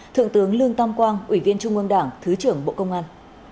thượng tướng lương tam quang ủy viên trung ương đảng thứ trưởng bộ công an